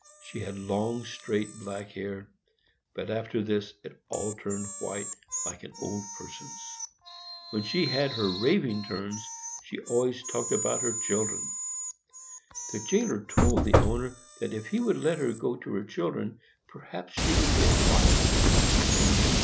She had long, straight black hair, but after this it all turned white, like an old person's. When she had her raving turns she always talked about her children. The jailer told the owner that if he would let her go to her children, perhaps she would get quiet.